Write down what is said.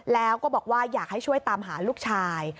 แล้วก็บอกว่าอยากให้ช่วยตามหาลูกชาย